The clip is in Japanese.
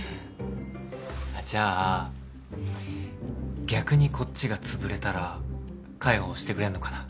じゃあ逆にこっちが潰れたら介抱してくれんのかな？